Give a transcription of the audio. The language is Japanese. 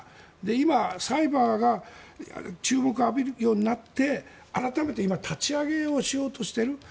今、サイバーが注目を浴びるようになって改めて今立ち上げをしようとしている。